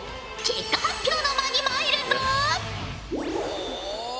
結果発表の間に参るぞ！